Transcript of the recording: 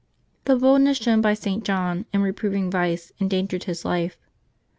The "boldness shown by St. John in reproving vice endangered his life.